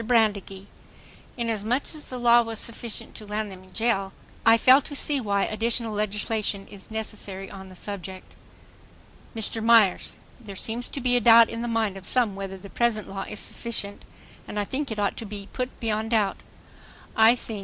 BRANDEGEE: Inasmuch as the law was sufficient to land them in jail ... I fail to see why additional legislation is necessary on the subject. MR. MYERS: There seems to be a doubt in the mind of some whether the present law is sufficient and I think it ought to be put beyond doubt. I think